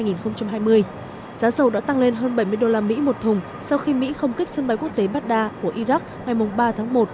giá dầu đã tăng lên hơn bảy mươi đô la mỹ một thùng sau khi mỹ không kích sân bay quốc tế baghdad của iraq ngày ba tháng một